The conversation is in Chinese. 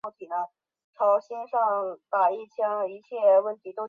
毛麻楝为楝科麻楝属下的一个变种。